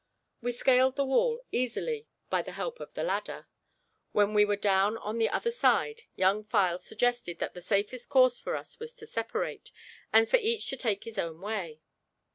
We scaled the wall easily by the help of the ladder. When we were down on the other side, Young File suggested that the safest course for us was to separate, and for each to take his own way.